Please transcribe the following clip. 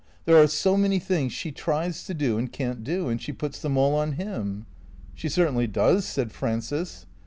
There are so many things she tries to do and can't do; and she puts them all on him." " She certainly does," said Frances.